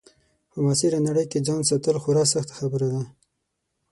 په معاصره نړۍ کې ځان ساتل خورا سخته خبره ده.